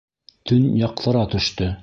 Төн яҡтыра төштө.